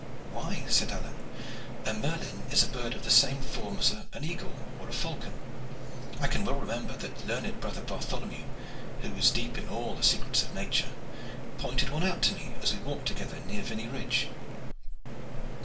"Why," said Alleyne, "a merlin is a bird of the same form as an eagle or a falcon. I can well remember that learned brother Bartholomew, who is deep in all the secrets of nature, pointed one out to me as we walked together near Vinney Ridge."